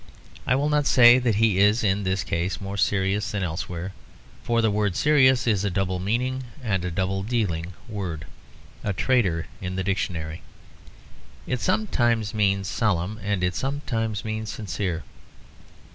I will not say that he is in this case more serious than elsewhere; for the word serious is a double meaning and double dealing word, a traitor in the dictionary. It sometimes means solemn, and it sometimes means sincere.